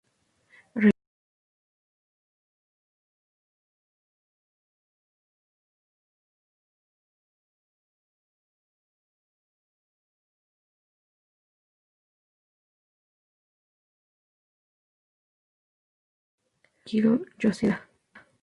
Akihiro Yoshida